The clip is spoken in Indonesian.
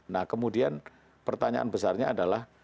nah kemudian pertanyaan besarnya adalah